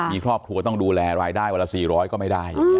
มีครอบครัวต้องดูแลรายได้วันละ๔๐๐ก็ไม่ได้